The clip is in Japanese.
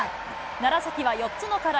楢崎は４つの課題